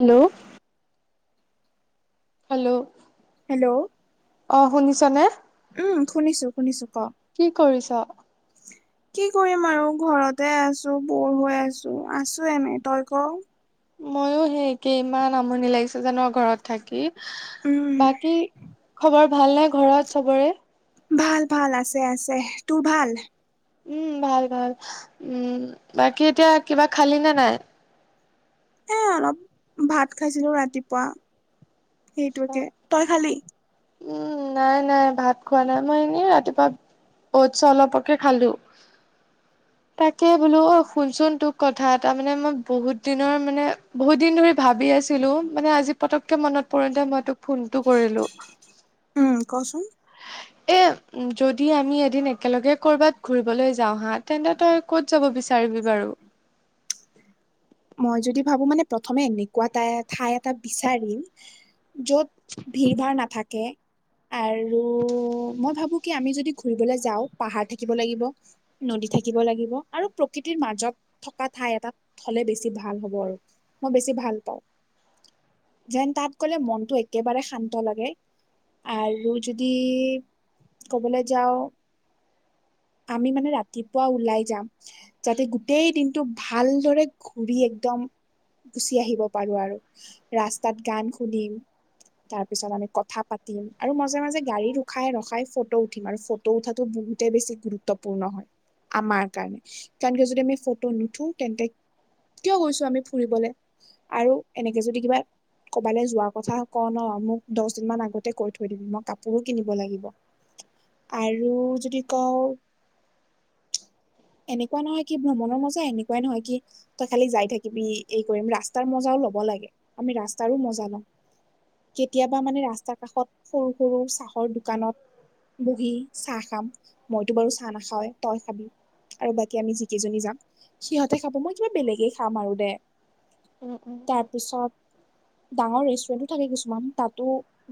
Hello. Hello. Hello অ শুনিছনে? উম শুনিছো শুনিছো ক। কি কৰিছ? কি কৰিম আৰু ঘৰতে আছো বৰ হৈ আছো, আছো এনেই, তই ক। ময়ো সেই একেই ইমান আমনি লাগিছে জান ঘৰত থাকি, উম বাকী খবৰ ভাল নে ঘৰত চবৰে? ভাল ভাল আছে আছে, তোৰ ভাল? উম ভাল ভাল, উম বাকী এতিয়া কিবা খালি নে নাই? এ অলপ ভাত খাইছিলো ৰাতিপুৱা সেইটোকে, তই খালি? উম নাই নাই ভাত খোৱা নাই, মই এনেই ৰাতিপুৱা ঔৎচ অলপকে খালো। তাকে বোলো অ শুনচোন তোক কথা এটা মানে মই বহুত দিনৰ মানে বহুত দিন ধৰি ভাবি আছিলো, মানে আজি পতককে মনত পৰোতে মই তোক ফোনটো কৰিলো। উম কচোন। এ যদি আমি এদিন একেলগে কৰ'বাত ঘূৰিবলৈ যাওঁ হা, তেন্তে তই ক'ত যাব বিচাৰিবি বাৰু? মই যদি ভাবো মানে প্ৰথমে এনেকুৱা টাই ঠাই এটা বিচাৰিম য'ত ভিৰ ভাৰ নাথাকে। [inaudible] উম মই ভাবো কি আমি যদি ঘুৰিবলে যাওঁ পাহাৰ থাকিব লাগিব নদী থাকিব লাগিব, আৰু প্ৰকৃতিৰ মাজত থকা ঠাই এটাত হলে বেছি ভাল হ'ব আৰু মই বেছি ভাল পাওঁ। যেন তাত গ'লে মনটো একেবাৰে শান্ত লাগে। আৰু যদি ক'বলে যাওঁ আমি মানে ৰাতিপুৱা ওলাই যাম যাতে গোটেই দিনটো ভালদৰে ঘূৰি একদম গুচি আহিব পাৰো আৰু, ৰাস্তাত গান শুনিম তাৰপিছত আমি কথা পাতিম, আৰু মাজে মাজে গাড়ী ৰখাই ৰখাই ফটো উঠিম আৰু ফট টো উঠাতো বহুতে বেছি গুৰুত্বপূৰ্ণ হয় আমাৰ কাৰণে, কাৰণ কিয় যদি আমি ফটো নুঠো তেন্তে কিয় গৈছো আমি ফুৰিবলে? আৰু এনেকে যদি কিবা ক'বালে যোৱাৰ কথা ক ন, মোক দছ দিন মান আগতে কৈ থৈ দিবি, মই কাপোৰো কিনিব লাগিব। [inaudible] আৰু যদি কওঁ এনেকুৱা নহয় কি ভ্ৰমণৰ মজা এনেকুৱাই নহয় কি তই খালি যাই থাকিবি এই কৰিম ৰাস্তাৰ মজাও লব লাগে, আমি ৰাস্তাৰো মজা লম। কেতিয়াবা মানে ৰাস্তা কাষত সৰু সৰু চাহৰ দোকানত বহি চাহ খাম। টো বাৰু চাহ নাখাওঁৱে তই খাবি। আৰু বাকী আমি যিকেইজনী যাম সিহঁতে খাব, মই কিবা বেলেগে খাম আৰু দে। উম উম। তাৰপিছত ডাঙৰ ৰেষ্টুৰেণ্ট টো থাকে কিছুমান তাতো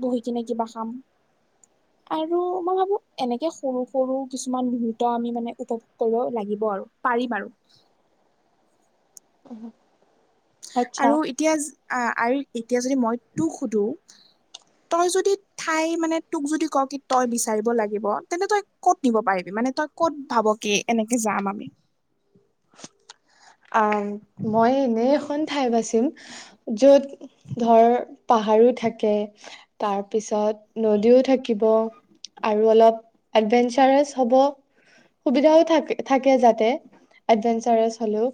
বহি কিনে কিবা খাম। আৰু মই ভাবো এনেকে সৰু সৰু কিছুমান [unintelligible] আমি মানে উপভোগ কৰিব লাগিব আৰু পাৰিম আৰু আচ্ছা আৰু এতিয়া আ আৰি এতিয়া যদি মই তোক সোধো তই যদি ঠাই মানে তোক যদি কও কি তই বিচাৰিব লাগিব তেন্তে তই ক'ত নিব পাৰিবি মানে তই ক'ত ভাব কি এনেকে যাম আমি আ মই এনে এখন ঠাই বাচিম য'ত ধৰ পাহাৰো থাকে, তাৰপিছত নদীও থাকিব। আৰু অলপ এডভেঞ্চাৰেছ হ'ব। সুবিধা হৈ থাক থাকে যাতে এডভেঞ্চাৰেছ হ'লেও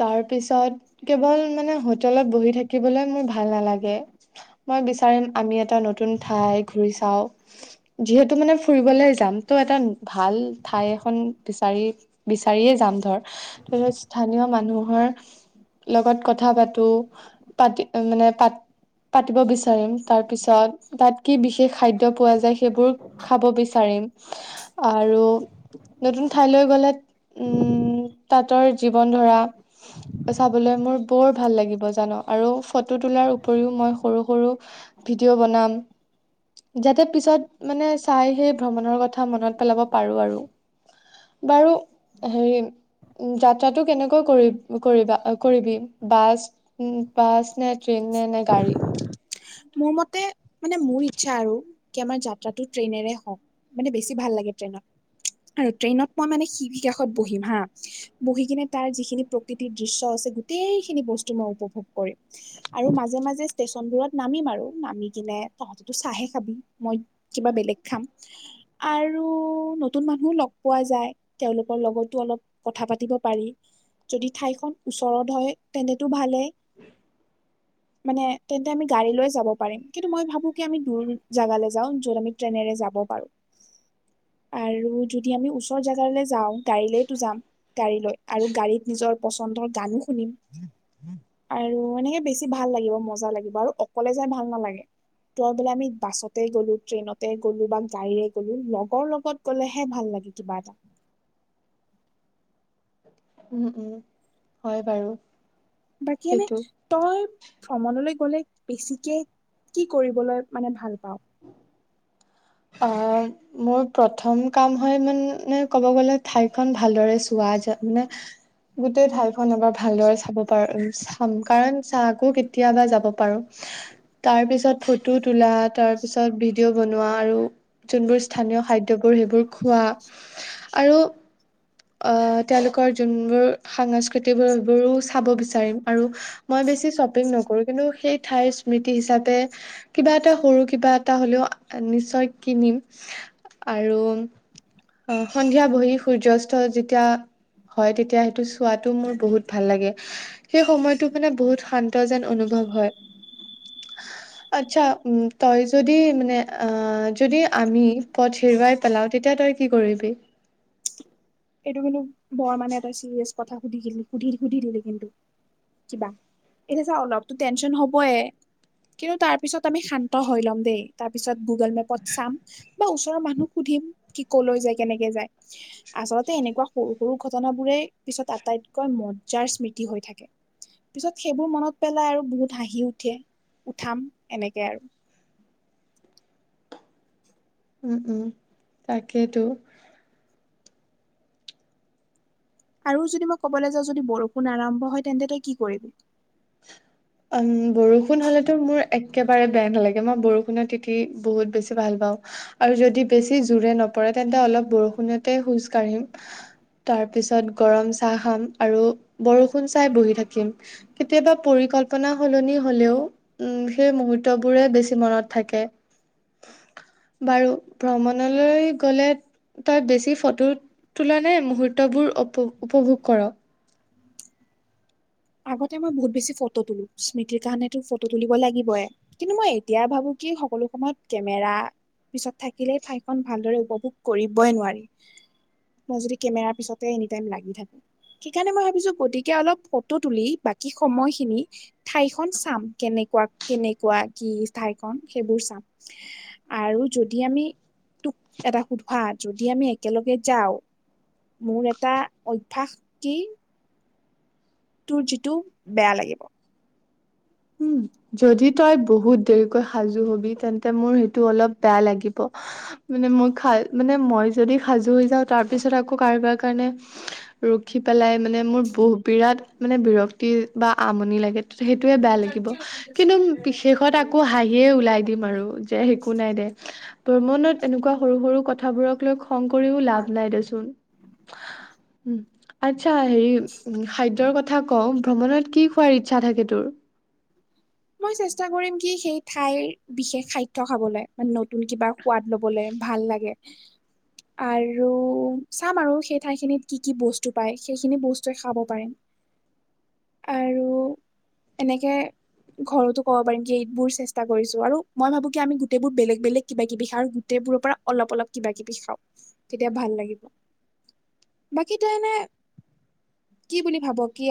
তাৰ পিছত কেৱল মানে হোটেলত বহি থাকিবলে মোৰ ভাল নালাগে। মই বিচাৰিম আমি এটা নতুন ঠাই ঘূৰি চাওঁ যিহেতু মানে ফুৰিবলে যাম তো এটা ভাল ঠাই এখন বিচাৰি বিচাৰিয়ে যাম ধৰ ত স্থানীয় মানুহৰ লগত কথা পাতো পাতি মানে পাত পাতিব বিচ- চাৰিম তাৰ পিছত তাত কি বিশেষ খাদ্য পোৱা যায় সেইবোৰ খাব বিচাৰিম আৰু নতুন ঠাইলৈ গ'লে উম তাতৰ জীৱন ধৰা চাবলে মোৰ বৰ ভাল লাগিব জান আৰু ফটো তোলাৰ উপৰিও মই সৰু সৰু ভিডিঅ' বনাম যাতে পিছত মানে চাই সেই ভ্ৰমণৰ কথা মনত পেলাব পাৰো আৰু। বাৰু হেৰি যাত- যাত্ৰাটো কেনেকৈ কৰি কৰিবা কৰিবি বাছ উম বাছ নে, ট্ৰেইন নে, নে গাড়ী মোৰ মতে মানে মোৰ ইচ্ছা আৰু কি আমাৰ যাত্ৰাতো ট্ৰেইনেৰে হওঁক মানে বেছি ভাল লাগে ট্ৰেইনত। আৰু ট্ৰেইনত মই মানে খিৰিকীৰ কাষত বহিম হা। বহি কিনে তাৰ যিখিনি প্ৰকৃতিৰ দৃশ্য আছে গোটেইখিনি বস্তু মই উপভোগ কৰিম। আৰু মাজে মাজে ষ্টেচনবোৰত নামিম আৰু নামি কিনে তহঁতেটো চাহে খাবি মই কিবা বেলেগ খাম। আৰু নতুন মানুহো লগ পোৱা যায়। তেওঁলোকৰ লগতো অলপ কথা পাতিব পাৰি। যদি ঠাই খন ওচৰত হয় তেন্তেটো ভালেই। মানে তেন্তে আমি গাড়ী লৈ যাব পাৰিম কিন্তু মই ভাবো কি আমি দূৰ জাগালৈ যাওঁ য'ত আমি ট্ৰেইনেৰে যাব পাৰো। আৰু যদি আমি ওচৰ জাগালৈ যাওঁ গাড়ীলৈয়েতো যাম। গাড়ী লৈ আৰু গাড়ীত নিজৰ পচন্দৰ গানো শুনিম। আৰু এনেকে বেছি ভাল লাগিব মজা লাগিব আৰু অকলে যাই ভাল নালাগে। তই বোলে আমি বাছতে গ'লো, ট্ৰেইনতে গ'লো বা গাড়ীৰে গ'লো লগৰ লগত গ'লেহে ভাল লাগে কিবা এটা। উম উম হয় বাৰু। বাকী এনে সেইটো তই ভ্ৰমণলৈ গ'লে বেছিকে কি কৰিবলৈ মানে ভাল পাওঁ? অ' মোৰ প্ৰথম কাম হয় মানে ক'ব গলে ঠাই খন ভালদৰে চোৱা য'ত মানে গোটেই ঠাইখন এবাৰ ভালদৰে চাব পাৰো, চাম কাৰণ চা আকৌ কেতিয়াবা যাব পাৰো। তাৰ পিছত ফটো তোলা, তাৰ পিছত ভিডিঅ' বনোৱা আৰু যোনবোৰ স্থানীয় খাদ্যবোৰ সেইবোৰ খোৱা। আৰু আহ, তেওঁলোকৰ যোনবোৰ সাংস্কৃতি বোৰো চাব বিচাৰি চিম আৰু মই বেছি শ্বপিং নকৰো, কিন্তু সেই ঠাই স্মৃতি হিচাপে কিবা এটা সৰু-কিবা এটা হ'লেও নিশ্চয় কিনিম। আৰু অ' সন্ধিয়া বহি সূৰ্য যেতিয়া হয়, তেতিয়া সেইটো চোৱাটো মোৰ বহুত ভাল লাগে। সেই সময়টো মানে বহুত শান্ত যেন অনুভৱ হয়। আচ্ছা, উম' তই যদি মানে অ যদি আমি পথ হেৰুৱাই পেলাওঁ, তেতিয়া তই কি কৰিবি? এইটো কিন্তু বৰ মানে এটা ছিৰিয়াছ কথা সুধি দিলি, সুধি-সুধি দিলি কিন্তু। কিবা এতিয়া চা অলপতো টেনশচন হবই। কিন্তু তাৰ পিছত আমি শান্ত হৈ ল'ম দেই, তাৰপিছত গুগল মেপত চাম। বা ওচৰৰ মানুক সুধিম কি কলৈ যায়, কেনেকে যায়? আচলতে, এনেকুৱা সৰু-সৰু ঘটনাবোৰেই পিছত আটাইতকৈ মজ্জাৰ স্মৃতি হৈ থাকে। পিছত সেইবোৰ মনত পেলাই আৰু বহুত হাঁহি উঠে, উঠাম এনেকে আৰু। উম', উম', তাকেইতো। আৰু যদি মই ক'বলৈ যাওঁ যদি বৰষুণ আৰম্ভ হয়, তেন্তে তই কি কৰিবি? উম' বৰষুণ হলেতো মোৰ একেবাৰে বেয়া নালাগে, মই বৰষুণত তিতি বহুত বেছি ভাল পাওঁ। আৰু যদি বেছি জোৰে নপৰে, তেন্তে অলপ বৰষুণতে খোজ কাঢ়িম। তাৰপিছত গৰম চাহ খাম, আৰু বৰষুণ চাই বহি থাকিম। কেতিয়াবা পৰিকল্প পনা সলনি হলেও, উম' সেই মুহূৰ্তবোৰে বেছি মনত থাকে। বাৰু ভ্ৰমণলৈ গ'লে তই বেছি ফটো তুল নে, মুহূৰ্তবোৰ উপ-উপভোগ কৰ? আগতে মই বহুত বেছি ফটো তুলো, স্মৃতিৰ কাৰণেটো ফটো তুলিব লাগিবয়ে। কিন্তু মই এতিয়া ভাবো কি সকলো সময়ত কেমেৰা পিছত থাকিলেই ঠাইখন ভালদৰে উপভোগ কৰিবই নোৱাৰি। মই যদি কেমেৰাৰ পিছতে এনি টাইম লাগি থাকো, সেইকাৰণে মই ভাবিছো গতিকে অলপ ফটো তুলি, বাকী সময়খিনি ঠাইখন চাম, কেনেকুৱা-কেনেকুৱা কি ঠাইখন সেইবোৰ চাম। আৰু যদি আমি তোক এটা সোধোঁ হা, যদি আমি একেলগে যাওঁ। মোৰ এটা অভ্যাস কি তোৰ যিটো বেয়া লাগিব। উম'। যদি তই বহুত দেৰিকৈ সাজু হবি, তেন্তে মোৰ সেইটো অলপ বেয়া লাগিব। মানে মই খাই মানে মই যদি সাজু হৈ যাওঁ, তাৰ পিছত আকৌ কাৰোবাৰ কাৰণে ৰখি পেলাই মানে মোৰ বহু-বিৰাট মানে বিৰক্তি বা আমনি লাগে, সেইটোয়ে বেয়া লাগিব। কিন্তু বিশেষত আকৌ হাঁহি হিয়ে ওলাই দিম আৰু যে একো নাই দে, ভ্ৰমণত এনেকুৱা সৰু সৰু কথাবোৰক লৈ খং কৰিও লাভ নাই দেচোন। উম'। আচ্ছা, হেৰি উ খাদ্যৰ কথা কওঁ ভ্ৰমণত কি খোৱাৰ ইচ্ছা থাকে তোৰ? মই চেষ্টা কৰিম কি সেই ঠাইৰ বিশেষ খাদ্য খাবলৈ মানে নতুন কিবা সোৱাদ লবলৈ ভাল লাগে। [unintelligible] আৰু চাম আৰু সেই ঠাইখিনিত কি কি বস্তু পায় সেইখিনি বস্তুৱে খাব পাৰিম। [unintelligible] আৰু, এনেকে - ঘৰতো ক'ব পাৰিম কি এইবোৰ চেষ্টা কৰিছো আৰু মই ভাবো কি আমি গোটেইবোৰ বেলেগ বেলেগ কিবা কিবি আৰু গোটেইবোৰৰ পৰা- অলপ অলপ কিবা কিবি খাওঁ, তেতিয়া ভাল লাগিব। বাকী তই এনে- কি বুলি ভাব কি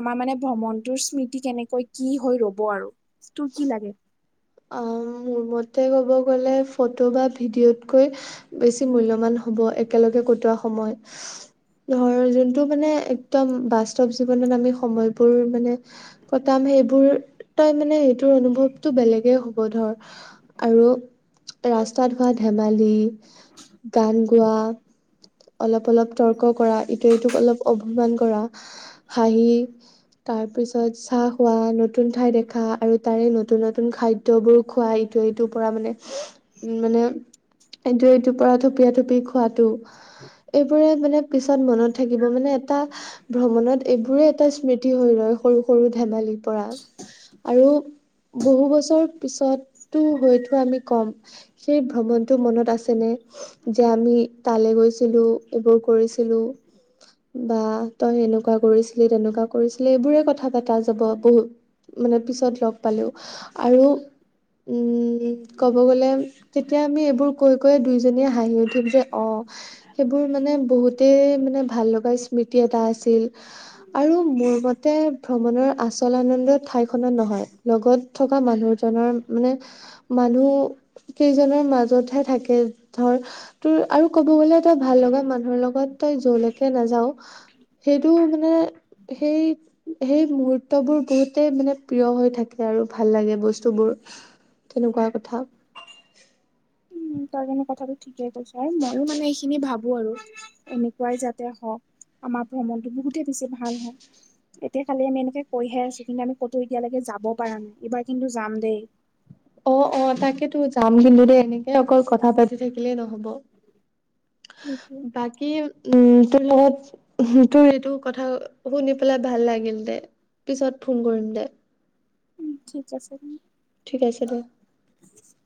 আমাৰ মানে ভ্ৰমণটোৰ স্মৃতি কেনেকৈ কি হৈ ৰব- হব আৰু, তোৰ কি লাগে? অ মোৰ মতে ক'ব গ'লে ফটো বা ভিডিঅ'তকৈ- বেছি মূল্যবান হব একেলগে কটোৱা সময়, ধৰ যোনটো মানে- একদম বাস্তৱ জীৱনত আমি সময়- বোৰ মানে, কটাম সেইবোৰ তই মানে এইটোৰ অনুভৱতটো বেলেগ- হ'ব ধৰ, আৰু- ৰাস্তাত হোৱা ধেমালি, গান গোৱা- অলপ অলপ তৰ্ক কৰা ইটো ইট অলপ অভমান কৰা, হাঁহি- তাৰপিছত চাহ খোৱা নতুন ঠাই দেখা আৰু তাৰে নতুন নতুন খাদ্য- বোৰ খোৱা ইটো ইটোৰ পৰা মানে, উম মানে- এইটো এইটোৰ পৰা থপিয় থপিয় খোৱাতটো- এইবোৰে মানে পিছত মনত থাকিব মানে এটা- ভ্ৰমণত এইবোৰে এটা স্মৃতি হৈ ৰয় সৰু সৰু ধেমালিৰ পৰা। আৰু, বহু বছৰ পিছতো হয়তো আমি কম- সেই ভ্ৰমণতটো মনত আছেনে? যে আমি তালৈ গৈছিলো এইবোৰ কৰিছিলো? বা তই এনেকুৱা কৰিছিলি তেনেকুৱা কৰিছিলি এইবোৰে কথা পতা যাব বহুত। মানে পিছত লগ পালেও আৰু- উম। কব গ'লে তেতিয়া আমি এইবোৰ কৈ কৈয় দুইজনীয়ে হাঁহি উঠিম যে অ- সেইবোৰ মানে বহুতেই মানে ভাল লগা স্মৃতি এটা আছিল। আৰু মোৰ মতে ভ্ৰমণৰ আচল আনন্দ ঠাই খত নহয় লগত থকা মানুহৰ- জনৰ মানে, মানুহ কেইজনৰ মাজতহে থাকে ধৰ - তোৰ আৰু ক'ব গ'লে তই ভাল লগা মানুহৰ লগত তই যলৈকে নাযাওঁ - সেইটো মানে- সেই, সেই মুহূৰ্তবোৰ বহুতেই মানে প্ৰিয় হৈ থাকে আৰু ভাল লাগে বস্তু- বস্তুবোৰ, তেনেকুৱা কথা। তাৰ মানে কথাটো ঠিকে কৈছ আৰু ময়ো মানে এইখিনি ভাবো আৰু- এনেকুৱাই যাতে হওঁক, আমাৰ ভ্ৰমণটো বহুতে বেছি ভাল হওঁক। এতিয়া খালি আমি এনেকে কৈহে আছো কিন্তু আমি কতো এতিয়ালৈকে যাব পৰা নাই এইবাৰ কিন্তু যাম দেই। অ অ তাকেতো যাম কিন্তু দেই এনেকে অকল কথা পাতি থাকিলেই নহব। সেইটোৱে বাকী- কি উম তোৰ লগত তোৰ এইটো কথা শুনি পেলাই ভাল লাগিল দে। পিছত ফোন কৰিম দে। উম, ঠিক আছে। ঠিক আছে দে। [inaudible]